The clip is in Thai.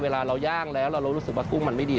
เวลาเราย่างแล้วเรารู้สึกว่ากุ้งมันไม่ดี